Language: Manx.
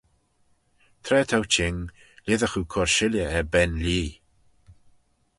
Tra t'ou çhing, lhisagh oo cur shilley er ben-lhee.